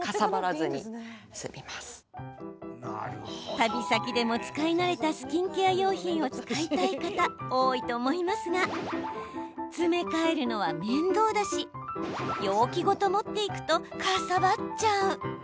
旅先でも使い慣れたスキンケア用品を使いたい方多いと思いますが詰め替えるのは面倒だし容器ごと持って行くとかさばっちゃう。